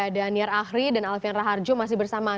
danir ahri dan alvin raharjo masih bersama